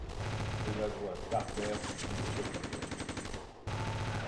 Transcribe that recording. C’est la voix d’Harbert dit le reporter